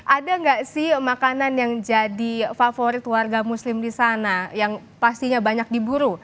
ada nggak sih makanan yang jadi favorit warga muslim di sana yang pastinya banyak diburu